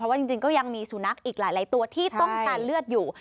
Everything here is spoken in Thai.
ว่าจริงก็ยังมีสุนัขอีกหลายตัวที่ต้องการเลือดอยู่